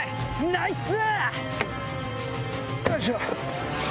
ナイス！